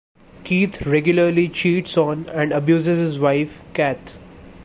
Keith regularly cheats on and abuses his wife, Kath.